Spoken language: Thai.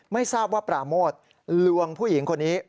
ไม่ทราบว่าปราโมทลวงผู้หญิงคนนี้